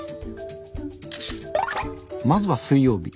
まずは水曜日。